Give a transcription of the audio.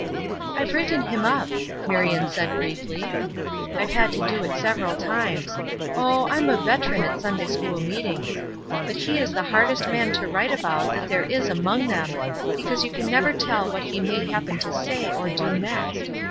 "I've written him up," Marion said, briefly. "I've had to do it several times. Oh, I'm a veteran at Sunday school meetings. But he is the hardest man to write about that there is among them, because you can never tell what he may happen to say or do next.